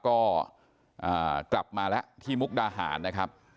ก็กลับมาแล้วที่มุกดาหารนะครับ